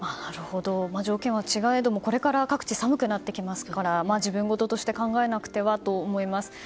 条件は違えどもこれから各地寒くなりますから自分ごととして考えなければと思います。